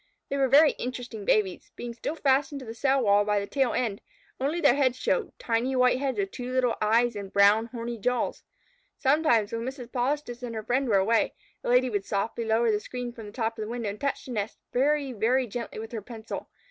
They were very interesting babies. Being still fastened to the cell wall by the tail end, only their heads showed, tiny white heads with two little eyes and brown, horny jaws. Sometimes, when Mrs. Polistes and her friend were away, the Lady would softly lower the screen from the top of the window and touch the nest very, very gently with her pencil.